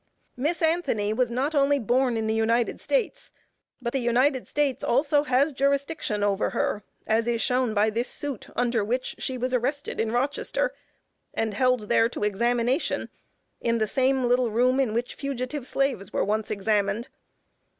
Miss Anthony was not only born in the United States, but the United States also has jurisdiction over her, as is shown by this suit, under which she was arrested in Rochester, and held there to examination in the same little room in which fugitive slaves were once examined.